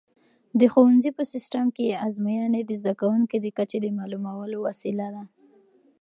د ښوونځي په سیسټم کې ازموینې د زده کوونکو د کچې معلومولو وسیله ده.